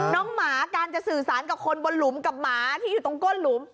น้องหมาสื่อสารกับผู้หลุมมาที่อยู่ตรงก้นหุ้น